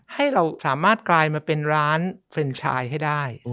ให้เราสามารถกลายมาเป็นร้านเฟรนชายให้ได้